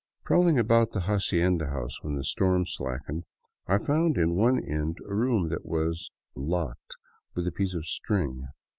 Prowling about the hacienda house when the storm slackened, I found in one end a room that was " locked " with a piece of string.